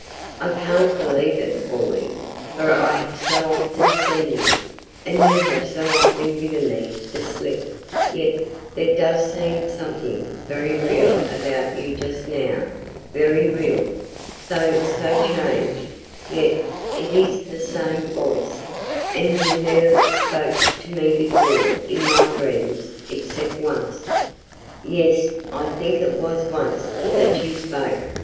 "I can't believe it, Orley, for I have so often seen you, and you have so often given me the slip yet there does seem something very real about you just now very real, though so changed yet it is the same voice, and you never spoke to me before in my dreams except once. Yes, I think it was once, that you spoke.